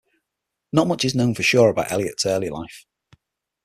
Not much is known for sure about Elliott's early life.